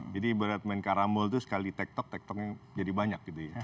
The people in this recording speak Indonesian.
jadi berat main karambol itu sekali tek tok tek toknya jadi banyak